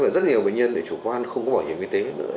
và rất nhiều bệnh nhân chủ quan không có bảo hiểm y tế nữa